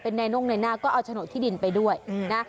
นายน่งในหน้าก็เอาโฉนดที่ดินไปด้วยนะ